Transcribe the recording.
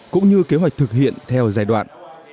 cũng như kế hoạch thực hiện theo giai đoạn